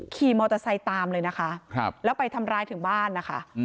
ขี่มอเตอร์ไซค์ตามเลยนะคะแล้วไปทำร้ายถึงบ้านนะคะ